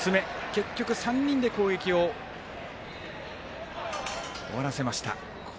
結局、３人で攻撃を終わらせました。